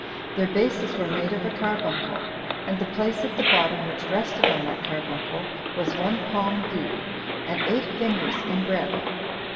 Their bases were made of a carbuncle; and the place at the bottom, which rested on that carbuncle, was one palm deep, and eight fingers in breadth.